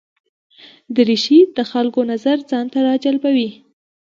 دریشي د خلکو نظر ځان ته راجلبوي.